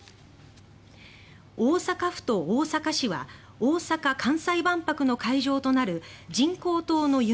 大阪府と大阪市は大阪・関西万博の会場となる人工島の夢